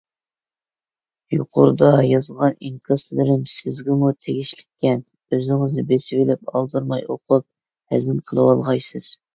يۇقىرىدا يازغان ئىنكاسلىرىم سىزگىمۇ تېگىشلىككەن. ئۆزىڭىزنى بېسىۋېلىپ ئالدىرماي ئوقۇپ ھەزىم قىلىۋالغايسىز.